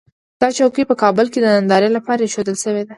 دا چوکۍ په کابل کې د نندارې لپاره اېښودل شوې ده.